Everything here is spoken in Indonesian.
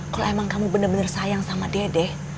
kalau emang kamu bener bener sayang sama dede